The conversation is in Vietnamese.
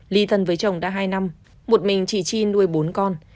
lý thân với chồng đã hai năm một mình chị chi nuôi bốn con